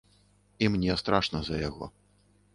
І мне страшна за яго.